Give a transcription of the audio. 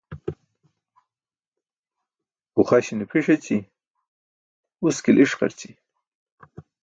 Uxaśi̇ne pʰi̇ṣ eći, uski̇l i̇ṣqarći.